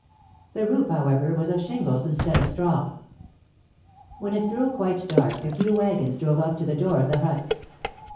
The roof, however, was of shingles instead of straw. When it grew quite dark a few wagons drove up to the door of the hut.